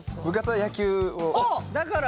だから！